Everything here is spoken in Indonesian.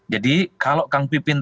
jadi kalau kang pipin